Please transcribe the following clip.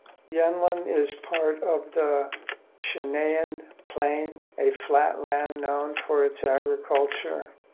Yunlin is part of the Chianan Plain, a flat land known for its agriculture.